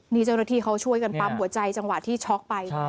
นี่เจ้าหน้าที่เขาช่วยกันปั๊มหัวใจจังหวะที่ช็อกไป